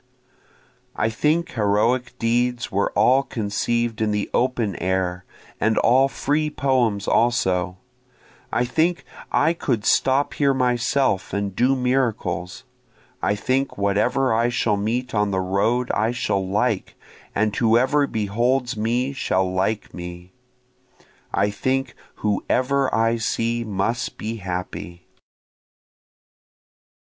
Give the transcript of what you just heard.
I think heroic deeds were all conceiv'd in the open air, and all free poems also, I think I could stop here myself and do miracles, I think whatever I shall meet on the road I shall like, and whoever beholds me shall like me, I think whoever I see must be happy.